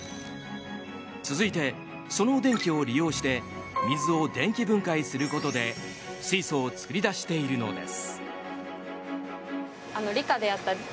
続いて、その電気を利用して水を電気分解することで水素を作り出しているのです。